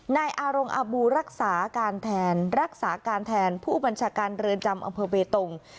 นายอารงอบูรักษาการแทนรักษาการแทนผู้บัญชาการเรือนจำอำเภอเบตง